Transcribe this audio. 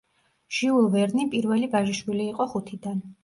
ჟიულ ვერნი პირველი ვაჟიშვილი იყო ხუთიდან.